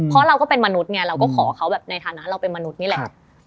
เพราะเราก็เป็นมนุษย์ไงเราก็ขอเขาแบบในฐานะเราเป็นมนุษย์นี่แหละ